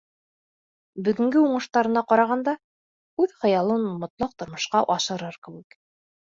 Бөгөнгө уңыштарына ҡарағанда, үҙ хыялын ул мотлаҡ тормошҡа ашырыр кеүек.